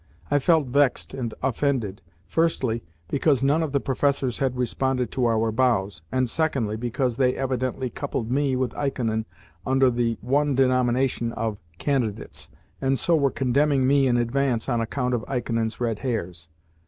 I felt vexed and offended firstly, because none of the professors had responded to our bows, and, secondly, because they evidently coupled me with Ikonin under the one denomination of "candidates," and so were condemning me in advance on account of Ikonin's red hairs.